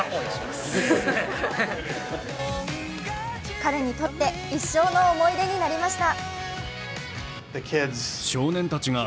彼にとって一生の思い出になりました。